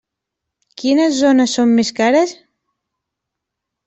Quines zones són més cares?